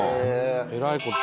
えらいこと。